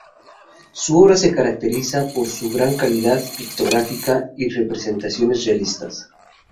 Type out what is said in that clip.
Su obra se caracteriza por su gran calidad pictórica y representaciones realistas.